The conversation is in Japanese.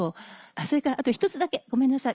それからあと１つだけごめんなさい